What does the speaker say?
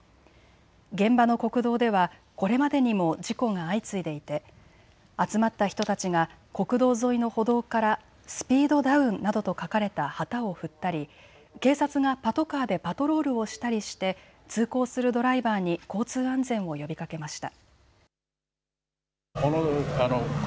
現場の国道ではこれまでにも事故が相次いでいて集まった人たちが国道沿いの歩道からスピードダウンなどと書かれた旗を振ったり警察がパトカーでパトロールをしたりして通行するドライバーに交通安全を呼びかけました。